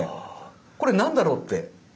これ何だろうって。